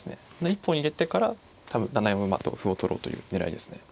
一本入れてから７四馬と歩を取ろうという狙いですね。